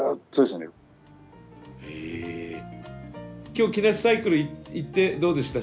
今日木梨サイクル行ってどうでした？